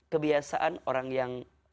kebiasaan orang yang